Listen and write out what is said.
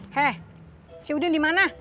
he si udin dimana